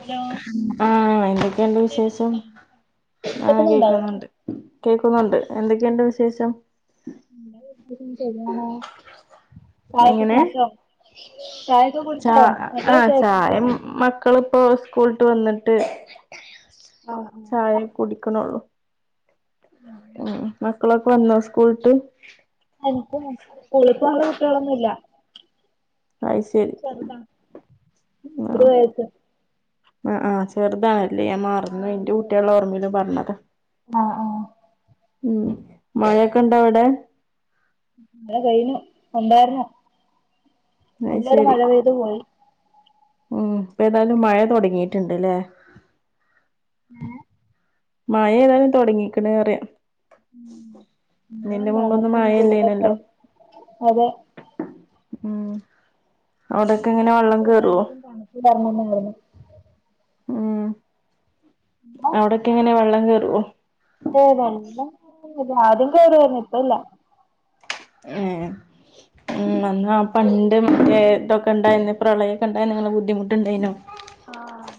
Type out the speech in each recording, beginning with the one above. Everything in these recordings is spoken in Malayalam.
ഹലോ ആഹ് എന്തൊക്കെണ്ട് വിശേഷം കേക്കുന്നുണ്ടോ ആഹ് കേക്കുന്നുണ്ടോ കേക്ക്ന്നുണ്ട് കേക്കുന്നുണ്ട് ക്കെണ്ട് ആ, വിശേഷം [unintelligible] ചായൊക്കെ എങ്ങനെ കുടിച്ചോ ചായൊക്കെ കുടിച്ചോ നല്ല വിശേഷം അയിന് മക്കളിപ്പോ സ്കൂൾട്ട് വന്നിട്ട് ആഹ് ആഹ് ചായ കുടിക്ക്ണൊള്ളൂ ഉം ഉം മക്കളൊക്കെ വന്നോ സ്കൂള്ട്ട് എൻക്ക് മക്കൾ ഇപ്പ അവടെ കുട്ട്യോളൊന്നുല്ല അത് ശരി ചെർതാ ഒര് ആഹ് വയസ്സ് ആഹ് ആഹ് ചെറ്താണല്ലേ ഞാൻ മറന്ന് പോയി ഇന്റെ കുട്ട്യളെ ഓർമ്മേല് പറഞ്ഞതാ ആഹ് ആഹ് ഉം മയക്കെ ഇണ്ടോ അവടെ മഴ കയ്ഞ്ഞു ഉണ്ടാര്ന്നു അത് നല്ലൊരു ശരി മഴ പെയ്തു പോയി ഉം ഇപ്പേതാലും മഴ തൊട്ങ്ങിട്ട്ണ്ട്ല്ലേ ഏഹ് മഴ ഏതാലും തൊട്ങ്ങിക്ക്ണ് റിയാ മഴയും ഇതിന്റെ മുമ്പൊന്നും തണുപ്പും മയ ചൂടൊക്കെ ഇല്ലേനല്ലോ അതെ ഉം അവ്ടൊക്കെ ഇവിടെ എങ്ങനെ വെള്ളം വന്നപ്പോ കേറോ എല്ലാർക്കും [unintelligible] ഉം അവിടൊക്കെങ്ങനെ വെള്ളം കേറോ ഏഹ് വെള്ളം കേറൽ ആദ്യം കേറുവേര്ന്ന് ഇപ്പല്ല ഏഹ് ഉം അന്ന് ആ പണ്ട് മറ്റേ ഇതൊക്കെണ്ടായന്ന് പ്രളയൊക്കെ ഇണ്ടായന്ന് ഇങ്ങള് ബുദ്ധിമുട്ട് ഇണ്ടേയിനോ ആഹ്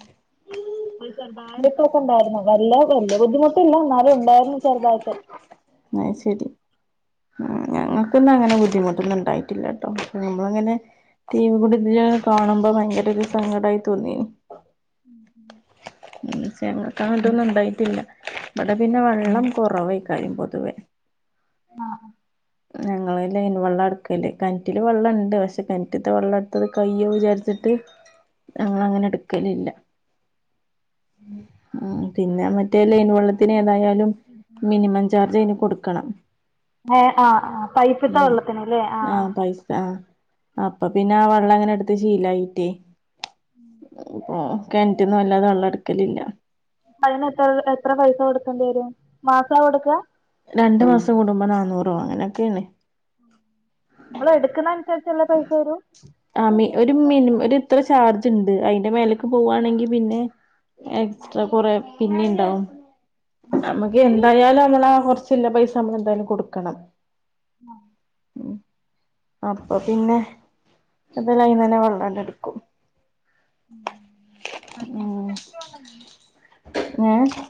ഇവ്ടെ ചെർതായിട്ടൊക്കെ ഇണ്ടായിരുന്നു വല്ല വല്യ ബുദ്ധിമുട്ടില്ല എന്നാലും ഉണ്ടായിരുന്നു ചെറുതായിട്ട് അയ് ശരി ഉം ഞങ്ങൾക്ക്ന്നാ അങ്ങനെ ബുദ്ധിമുട്ടൊന്നും ഇണ്ടായിട്ടില്ലട്ടോ നമ്മളങ്ങനെ ടീവി കൂടെ ഇത് ഇങ്ങനെ കാണുമ്പോ ഭയങ്കരൊരു സങ്കടായി തോന്നിനി ഉം ഞങ്ങൾക്കന് ത്തൊന്നും ഇണ്ടായിട്ടില്ല ഇവടെ പിന്നെ വള്ളം കൊറെവേക്കാരം പൊതുവേ ആഹ് ഞങ്ങള് ലൈൻ വെള്ള ഇട്ക്കല് കെണ്റ്റ്ല് വെള്ളണ്ട് പക്ഷെ കെൻറ്റ്ത്തെ വെള്ളട്ത്തത് കയ്യോ വിചാരിച്ചി ത് ഞങ്ങളങ്ങനെ ഇട്ക്കലില്ല ഉം പിന്നെ മ മറ്റേ ലൈൻ പൈപ്പിലെ വെള്ളത്തിന് വെള്ളം ഏതായാലും തീരെ മിനിമം ചാർജ് അയ്ന് കൊട്ക്കണം ഏഹ് ആഹ് ആഹ് പൈപ്പ്ത്തെ വെള്ളത്തിന് ല്ലേ ആ ആഹ് പൈസാ ആ അപ്പൊ പിന്നെ ആ വെള്ളങ്ങനെ ഇട്ത്ത് ശീലായിട്ടേ കെൻറ്റ്ന്ന് വല്ലാതെ വെള്ളം ഇട്ക്കലില്ല അതിനെത്ര എത്ര പൈസ കൊടുക്കേണ്ടി വരും മാസാ കൊടുക്ക രണ്ടു മാസം കൂടുമ്പോ നാന്നൂറോ അങ്ങനൊക്കെണ് ഇമ്മൾ എട്ക്ക്ന്ന അൻസര്ച്ച്ള്ള പൈസ വരും ആഹ് മി ഒരു മിനിമം ഒരു ഇത്ര ചാർജ് ഉണ്ട് അയ്ന്റെ മേലേക്ക് പോവാണെങ്കിൽ പിന്നെ എക്സ്ട്രാ കൊറെ പിന്നെണ്ടാവും അമ എന്തായാലും ങ്ങനെ കുറച്ചില്ല പൈസ നമ്മളന്തായാലും കൊടുക്കണം. ഉം അപ്പൊ പിന്നെ അത് ഞാൻ അയ്‌ന്നഞ്ഞേ വെള്ളാണ്ട്ട്ക്കും ഉം ആഹ് ഇപ്പൊ കിണറ്റിൽ വെള്ളല്ലേ ഏഹ്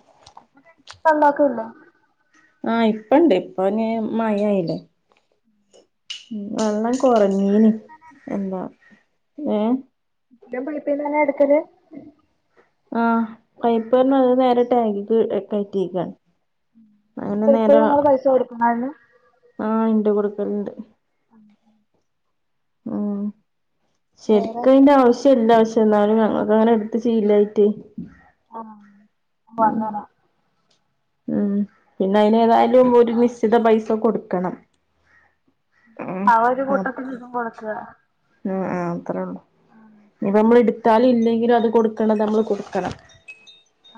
വെള്ളൊക്കെ ഉണ്ടോ ആഹ് ഇപ്പണ്ട് ഇപ്പ പിന്നെ മായായില്ലേ ഉം വെള്ള ഇപ്പഴും കൊറഞ്ഞീന് പൈപ്പിന്നെന്നെ എടു എന്താ ഏഹ് എല്ലാം പൈപ്പീന്ന്ന്നെ എടുക്കല് ആഹ് പൈപ്പ്ന്ന് ഇള്ള നേരെ ടാങ്കിക്ക് കയറ്റിക്കാണ് അങ്ങനെ അപ്പൊ നേരെ ഇപ്പഴും നിങ്ങള് പൈസ കൊടുക്കണാ അയ്ന് ആഹ് ണ്ട് കൊടുക്കല്ണ്ട് ആഹ് ഉം വേറെ ശരിക്കതിന്റെ ആവശ്യ ഇല്ലാ ക്ഷെ എന്നാലും ഞങ്ങൾക്ക് അങ്ങനെ എടുത്ത് ശീലായിട്ടേയ് ആഹ് പ്പ അങ്ങനെ ഉം പിന്നെ അയ്നേതായാലും ഒരു നിശ്ചിത പൈസ കൊടുക്കണം ആഹ് ഒരു കൂട്ടത്തിൽ ഇതും കൊടുക്ക ആഹ് ആഹ് അത്രേ ഉള്ളൂ ഇനിപ്പമ്മ ഇട് ത്താലും ഇല്ലെങ്കിലും അത് കൊടുക്കാള്ളത് നമ്മൾ കൊടുക്കണം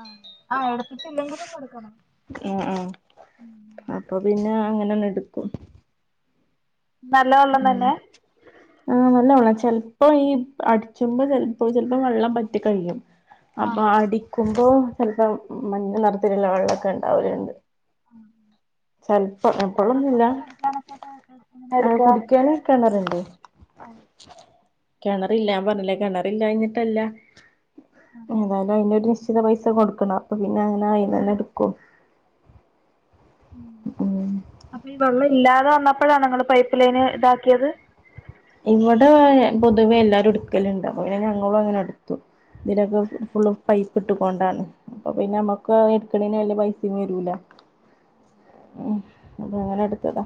ആഹ് ആഹ് എടുത്തിട്ടില്ലെങ്കിലും കൊടുക്കണം എഹ് ഏഹ് അപ്പൊ പിന്നെ അങ്ങനെന്നെടുക്കും നല്ല വെള്ളം ഉം തന്നെ ആഹ് നല്ലവെള്ള ചെൽപ്പോ ഈ അടിച്ചുമ്പ ചിലപ്പോ ചിലപ്പോ വെള്ളം പറ്റെ കഴിയും ആഹ് അപ്പൊ അടിക്കുമ്പോ ചിലപ്പോ മഞ്ഞ നിറത്തിലുള്ള വെള്ളക്കെ ഇണ്ടാവലുണ്ട് ഉം ചെൽപ്പോം എപ്പോളൊന്നുല്ല അത് എങ്ങനെ ഏഹ് എടുക്കാ കുടിക്കാൻ ഒരു കിണറുണ്ട് കിണറില്ലാൻ പറഞ്ഞില്ലേ കിണറില്ലാഞ്ഞിട്ടല്ല ഏന്തായാലും അയ്നൊഒരു ശ്ചിത പൈസ കൊടുക്കണം അപ്പൊ പിന്നെ അങ്ങനെ ആയിന്നന്നെ എടുക്കു ഉം അപ്പൊ ഈ വെള്ളം ഇല്ലാതെ വന്നപ്പോഴാണൊ നിങ്ങള് പൈപ്പ് ലൈന് ഇതാക്കിയത് ഇവിടെ പൊതുവേ എല്ലാരും എടുക്കലുണ്ട് അപ്പൊ പിന്നെ ഞങ്ങളും അങ്ങനെ എടു തു ഇതിനക്കെ ഫുള്ളും പൈസ ഇട്ടുകൊണ്ടാണ് അപ്പൊ പിന്നെ നമ്മുക്ക് എടുക്കണിന് വല്യ പൈസിം വരൂല ഉം അപ്പൊ അങ്ങനെ എടുത്തതാ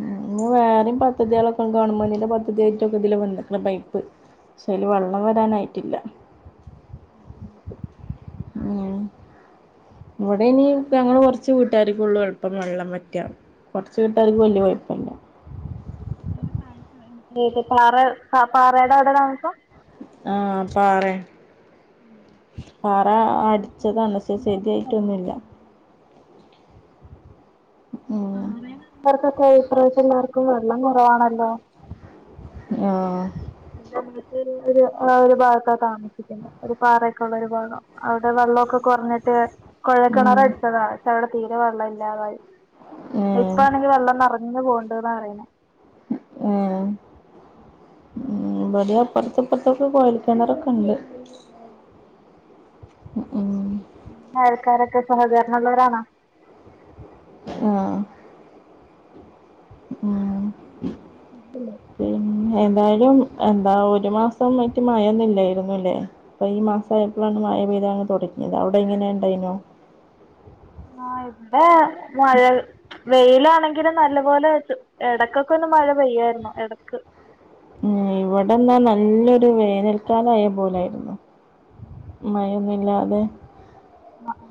ഉം ഇന്ന് വേറിം പദ്ധതികളൊക്കെ ഗവൺമെന്റിന്റെ പദ്ധതിയായിട്ടൊക്കെ ഇതിലെ വന്നക്കണ് പൈപ്പ് പക്ഷേ അയിൽ വെള്ളം വരാനായിട്ടില്ല ഉം ഉം ഇവിടെ ഇനി പ്പൊ ഞങ്ങള് കുറച്ചു വീട്ടുകാർക്കൊള്ളൂ എളുപ്പം വെള്ളം വറ്റാ കുറച്ച് വീട്ടുകർക്ക് വല്യ കൊയപ്പല്ല [unintelligible] തെ പാറ പ പാറയുടെ അവിടെ താമസം ആഹ് പാറെ പാറ അടിച്ചതാണ് പക്ഷെ എല്ലാവർക്കും വെള്ളം ശരിയായിട്ടൊന്നുല്ല ഉം പാറയിൽ ഉള്ളവർക്കൊക്കെ ഇപ്രവശ്യം എല്ലാർക്കും വെള്ളം കുറവാണല്ലോ ആഹ് ന്റെ അനുജത്തി ഒര് ഒരു ഭാഗത്താ താമസിക്ക ക്കുന്നെ ഒരു പാറൊക്കെള്ള ഒരു ഭാഗം അവിടെ വെള്ളക്കെ കുറഞ്ഞിട്ട് ഉം കൊഴൽക്കിണർ അടിച്ചതാ പക്ഷെ അവിടെ തീരെ വെള്ളം ഇല്ലാതായി ഏഹ് ഇപ്പാണെങ്കി വെള്ളം നെറ ഞ്ഞ് പോവുണ്ട്ന്നാ പറയുന്നേ ഉം ഏഹ് ഉം ഇവടിം അപ്പറത്തും ഇപ്പറത്തൊക്കെ കൊഴൽ കിണറൊക്കെണ്ട് ആഹ് ഉ ഊം അയൽക്കാരൊക്കെ സഹകരണള്ളവരാണോ ആഹ് ഉം പിന്നെ എന്തായാലും എന്താ ഒരു മാസം ആയിട്ട് മഴൊന്നും ഇല്ലായിരുന്നുല്ലേ അപ്പൊ ഈ മാസായപ്പഴാണ് മയ പെയതാങ്ങ് തുടങ്ങിയത് അവിടെ എങ്ങനെയ ഉണ്ടയ്നോ ആഹ് ഇവിടെ മഴ വെയിലാണെ ങ്കിലും നല്ല പോലെ എടക്കൊക്കെ ഒന്ന് മഴ പെയ്യായിരുന്നു എടക്ക് ഏഹ് ഇവിടെന്നാ നല്ലൊരു വേനൽക്കാല ആയ പോലായിരുന്നു മയൊന്നുല്ലാതെ ആഹ്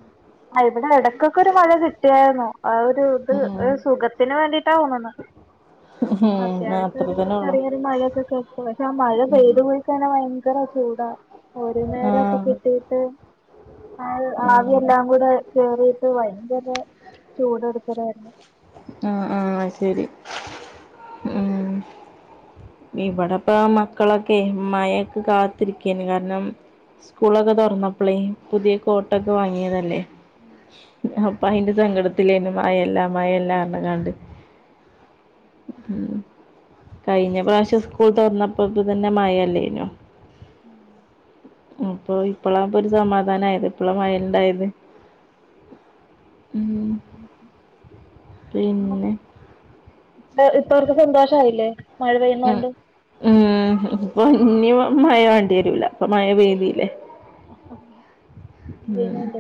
ആ ഇവിടെ ഇടക്കൊക്കെ ഒരു മഴ കിട്ടിയായിരുന്നു ആ ഒരു ഇത് ഉം സുഖ ത്തിന് വേണ്ടിട്ടാ തോന്നണത് ഉം അത്യാവശ്യം അത്ര ഒരു തന്നെ ഉള്ളു ചെറിയൊരു മഴയൊക്കെ കെട്ട പക്ഷെ ആ മഴ ഉം പെയ്ത് പോഴിക്കഴിഞ്ഞ ഭയങ്കര ചൂടാ ഒരു നേരക്കെ ആഹ് കിട്ടീട്ട് ആ ഉം ആവിയെല്ലാം കൂടെ കേറീട്ട് ഭയങ്കര ചൂട് എടുക്കലായിരുന്നു ആഹ് ആഹ് അഹ് ശരി ഉം ഇവിടെപ്പ മക്കളൊക്കെ മഴക്ക് കാത്തിരിക്കായിരുന്നു കാരണം സ്കൂളൊക്കെ തുറന്നപ്പളേ പുതിയ കോ ട്ടൊക്കെ വാങ്ങിയതല്ലേ അപ്പൊ അതിന്റെ സങ്കട ത്തിലേനു മഴെല്ല മഴെല്ല അറിഞ്ങ്ങാണ്ട് ഉം കഴിഞ്ഞ പ്രാവശ്യ സ്കൂൾ തുറന്നപ്പോ തന്നെ മഴല്ലേനോ അപ്പൊ ഇപ്പളാപ്പൊ ഒരു സമാധാനയത് ഇപ്പള മയണ്ടായത് ഉം പിന്നെ ഇ ഇപ്പവർക്ക് സന്തോഷയില്ലേ മഴ പെയ്യുന്ന ഉം കൊണ്ട് ഉം ഇപ്പൊ ഇനി മഴ വേണ്ടി വരൂല ഇപ്പ മഴ പെയ്തില്ലേ [unintelligible] ഉം പെയ്യുന്നോണ്ട്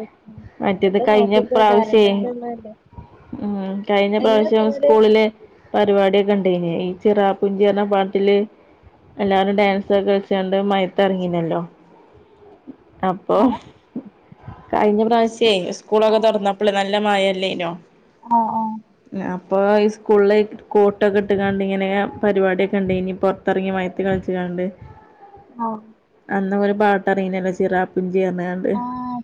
മറ്റത് അതൊക്കെ കഴിഞ്ഞ നോക്കിക്കോ പ്രാവശ്യേ കറണ്ടൊക്കെ ഉള്ളതല്ലേ ഉം കഴിഞ്ഞ എങ്ങനെ പ്രാവശ്യം പോയത് സ്കൂളില് പരിപാടിയൊക്കെ ഉണ്ടയ്നെയ് ഈ ചിറാപ്പുഞ്ചി പറഞ്ഞ പാട്ടില്എല്ലാരും ഡാൻസ് ഒക്കെ വെച്ചാണ്ട് അത് മയത്തറങ്ങിനല്ലോ അപ്പൊ കഴിഞ്ഞ പ്രാവശ്യേ സ്കൂളൊക്കെ ആഹ് തുറന്നപ്പള് നല്ല മഴല്ലേനോ ആഹ് ആഹ് അപ്പോ ഈ സ്കൂളില് കോട്ടൊക്കെ ഇട്ട് കാണ്ട് ഇങ്ങനെ പരിപാടിയൊക്കെ ഉണ്ടെയ്നി പുറ ത്തിറങ്ങി മയത്ത് കളിച്ച്ങ്ങാണ്ട് ആഹ് അന്ന് ഒരു പാട്ട് ഇറങ്ങീനേല്ലോ ചിറാപ്പുഞ്ചി പർഞ്ങ്ങാണ്ട് ആഹ്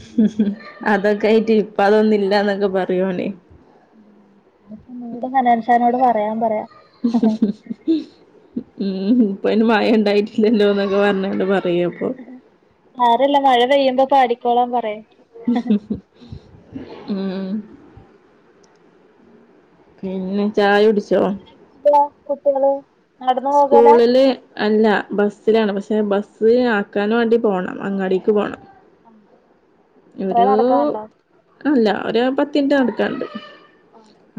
ഉം ഉ അതൊക്കെ ആയിട്ട് ഇപ്പ അതൊന്നുംല്ലന്നൊക്കെ പറയോണെ നിട് കനൻഷാനോട് പറയാൻ പറയാം [unintelligible] ഉം ഇപ്പ അതിന് മഴ ഉണ്ടായിട്ടില്ലല്ലോ എന്നൊക്കെ പറഞ്ഞൊണ്ട് പറയ അപ്പൊ സരല്ല മഴ പെയ്യുമ്പോ പാടിക്കോളാൻ പറയാ ഉം [unintelligible] പിന്നെ ചായ കുടിച്ചോ എല്ല കുട്ടികള് നടന്നു പോകലാ സ്കൂളില് അല്ല ബസ്സിലാണ് പക്ഷേ ബസ്സ് ആക്കാൻ വേണ്ടി പോകണം അങ്ങടി ക്ക് പോകണം ആഹ [unintelligible] ഒരു അല്ല ഒരു പത്തിറ്റ് നടക്കാണ്ട്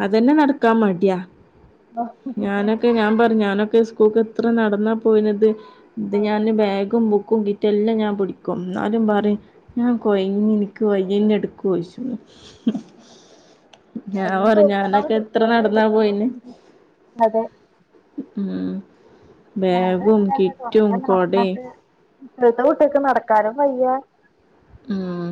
അതന്നെ നട- നടകാൻ മടിയ ഞാനൊക്കെ ഞാൻ പറഞ്ഞലേക്കെ സുകുൾക്ക എത്ര നടന്നാ പോയിനത് ഇത് അതെ ഞാന് ബാഗും ബുക്കും കി- റ്റെല്ലാം ഞാൻ പിടിക്കും എന്നാലും പറയും ഞാൻ കൊയങ്ങി എനിക്ക് വയ്യ എന്നെ എടുക്കോച്ചും അഹ [unintelligible] പറഞ്ഞു തോക്കണം ഞാനൊക്കെ എത്ര കുട്ടികളെ നടന്നാ എടുക്കണം പോയിന് അതെ ഉം ഞാനും ബേഗും അങ്ങനെന്നെ കിറ്റും കൊട ഇവിത്തെ കുട്ടിക്ക് നടക്കാനും വയ്യ ഉം.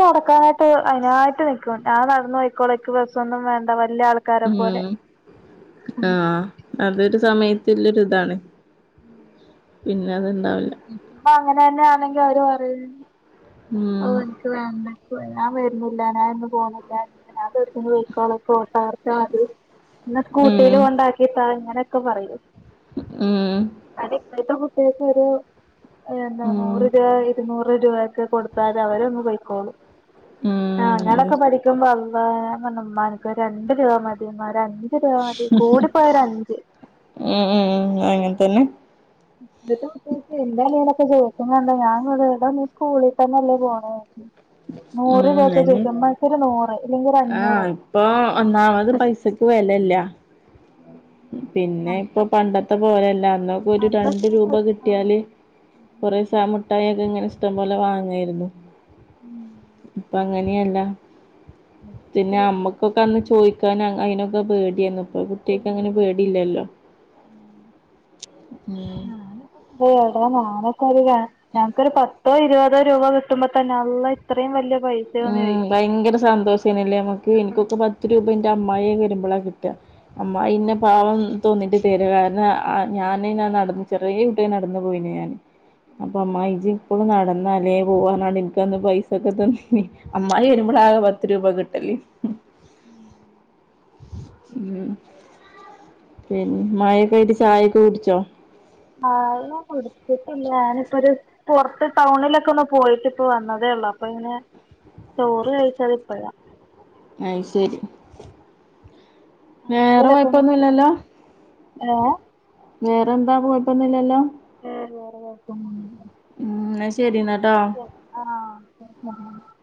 നടക്കാനായിട്ട് അതിനായിട്ട് നക്കും ഞാൻ നടന്നു പോക്കോള എക്ക് ബസംന്നും വേണ്ട വല്ല ആൾ- ഉം ആഹ അതൊരു സമയത്തിന്റെ ഒരു ഇതാണ് പിന്നെ അത്ണ്ടാവില്ല അപ്പൊ അങ്ങനെ തന്നെയാണെങ്കി അവര് പറയും ഓ ഉം എനിക്ക് വേണ്ട ഞാ വരുന്നില്ല എന്നും പോണില്ല അക്കള കോട്ടാർക്കതി [unintelligible] ഇ ഉം. സ്കൂട്ടിൽ കൊണ്ടാക്കിട്ടാതാ ഇങ്ങനെയൊക്കെ പറയൂ ഉം അ ഇപ്പോഴത്തെ കുട്ടിക്ക അറിയ ഒരു ഉം. നൂറ് രൂപ ഇരുന്നൂറ് രൂപൊക്കെ കൊടു- അ അത അവര ഒന്ന് പോയിക്കോളൂ ആ ഉം. അതെ. അങ്ങളോക്കെ മ്പ അവ്മ്മാക്ക രണ്ട രൂപ മതിയമാഞ് [unintelligible] ശരിയ മതി കൂടി പോയൊ ഒരു അഞ്ച് ഉം ഉം ഉ അങ്ങനെ തന്നെ ഇത്ത [inaudible] എന്റെണലൊക്കെ ചോദിക്കണ്ട ഞാ ഇവിട സ്കൂളിൽ തന്നെല്ലേ പോണി നൂറ് ഉം. രൂപക്ക അയിന് കേക്കും മ ഒരു നൂറ് ഇല്ലെങ്കിൽ ഒരു ആഹ് അഞ്ഞൂറ് ഇപ്പൊ ഒന്നാമത് പൈസക്ക് വിലല്ല ഉം പിന്നെ ഇപ്പൊ പണ്ടത്തെ പോലല്ല അന്നക്ക ഒരു അന്നൊക്കെ രണ്ട് ഒരു രൂപ കിട്ടി- പത്ത് കട്ടിയാല് കുറേ ദസ മിഠായി ഒക്കെ ഇങ്ങനെ ഇഷ്ടം പോലെ വാ ങ്ങായിരുന്നു ഇപ്പൊ അങ്ങനെയല്ല പിന്നെ ഞമ്മക്ക് ഓക്ക് അന്ന് ചോദിക്കാൻ അതിനൊക്കെ പേടിയന്ന് ഇ- ഇപ്പാ അങ്ങനെ പേടില്ലല്ലോ മ് ഞാനൊക്കെ അറയാ അതാ നാനൊക്കെ അത [unintelligible] ഞങ്ങക്കൊരു പത്തോ ഇരുപതോ രൂപ കിട്ടുമ്പോ തന്നെ അള്ള ഇത്രയും വലിയ പൈസ ഉം ഭയങ്കര സന്തോഷേനല്ലേ നമക്ക് എനിക്കൊക്കെ പത്ത് രൂപ എന്റെ അമ്മായി വരുമ്പോളാ കിട്ടാ അമ്മ ഇന്ന പാവം തോന്നിട്ട് തര് കാരണം ഞാനേഞാ നടന്ന് ചെറിയേ കുട്ടി നടന്നു പോയിഞ് ഞാൻ അപ്പൊ അമായി ജി ഇപ്പളും നടന്നല്ലേ പോവാന്നറിഞ് ഇൻക്കന്ന് പൈസൊക്കെ തന്നീ ഞ്ഞി അമ്മായി വരുമ്പോളാകെ പത്ത് രൂപ കിട്ടല് ഉം പിന്നെ മഴൊക്കെ ആട്ട് ചായൊക്കെ കുടിച്ചോ ആഹ് ഞൻ കൊടുത്തിട്ടില്ല ഞാനിപ്പൊ ഒരു പുൊറത്ത് ടൗണിലൊക്കെ ഒന്ന് പോയിട്ട് ഇപ്പ വന്നതേ ഉള്ളൂ അപ്പൊ ങ്ങനെ ചോറ് കയ്ച്ചത് ഇപ്പഴാ അഹ് ശരി വേറെ ഇതിലൊക്കെ ഒന്ന് പോവണ്ട കൊയപ്പൊന്നുംല്ലല്ലോ ഏഹ് വേറെന്താ പോയിട്ടന്നില്ലല്ലോ ഏഹ് വേറെ ഉം ന്നാ ശരി ന്നാ വേറെകൊയപ്പൊന്നുല്ല ട്ടോ ആഹ് [unintelligible]